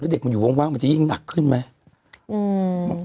เด็กมันอยู่ว่างมันจะยิ่งหนักขึ้นไหม